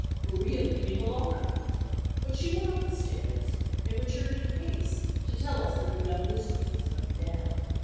Maria became alarmed. But she went up the stairs, and returned in haste to tell us that her young mistress was coming down.